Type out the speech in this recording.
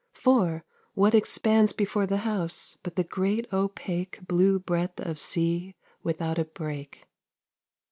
For, what expands Before the house, but the great opaque Blue breadth of sea without a break?